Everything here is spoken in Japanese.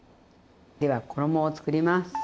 では衣をつくります。